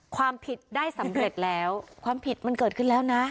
ความผิดได้สำเร็จแล้วความผิดมันเกิดขึ้นแล้วนะ